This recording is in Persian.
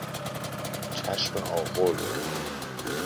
چشم آغل